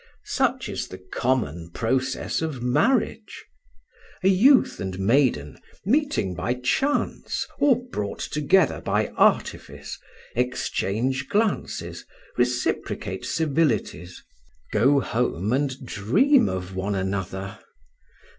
"Such is the common process of marriage. A youth and maiden, meeting by chance or brought together by artifice, exchange glances, reciprocate civilities, go home and dream of one another.